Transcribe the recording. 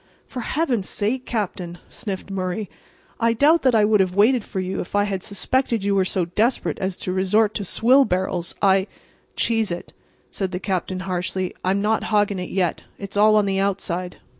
"For Heaven's sake, Captain," sniffed Murray, "I doubt that I would have waited for you if I had suspected you were so desperate as to resort to swill barrels. I"— "Cheese it," said the Captain, harshly. "I'm not hogging it yet. It's all on the outside.